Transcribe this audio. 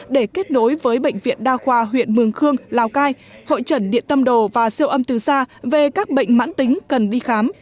để kết nối với bệnh viện đa khoa huyện mường khương lào cai hội trần điện tâm đồ và siêu âm từ xa về các bệnh mãn tính cần đi khám